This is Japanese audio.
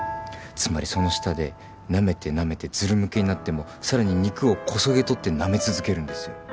つまりその舌でなめてなめてずるむけになってもさらに肉をこそげとってなめ続けるんですよ。